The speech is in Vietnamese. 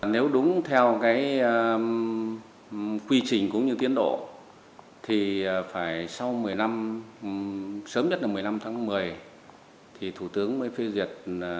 nếu đúng theo cái quy trình cũng như tiến độ thì phải sau một mươi năm sớm nhất là một mươi năm tháng một mươi thì thủ tướng mới phê duyệt